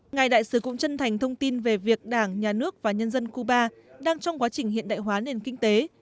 ngài đại sứ cũng chân thành thông tin về việc đảng nhà nước và nhân dân cuba đang trong quá trình hiện đại hóa nền kinh tế